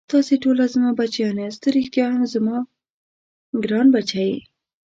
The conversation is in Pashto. تاسې ټوله زما بچیان یاست، ته ريښتا هم زما ګران بچی یې.